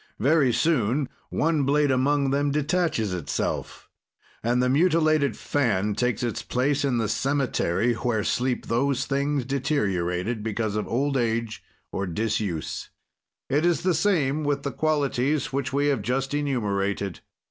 "Very soon, one blade among them detaches itself, and the mutilated fan takes its place in the cemetery where sleep those things deteriorated because of old age or disuse. "It is the same with the qualities which we have just enumerated.